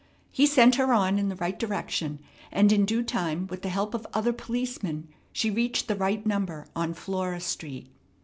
He sent her on in the right direction, and in due time with the help of other policemen she reached the right number on Flora Street.